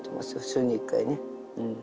週に１回ねうん。